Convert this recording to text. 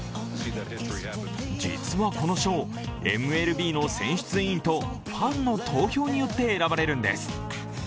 実はこの賞、ＭＬＢの選出委員とファンの投票によって選ばれるんです。